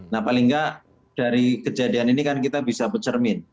nah paling nggak dari kejadian ini kan kita bisa bercermin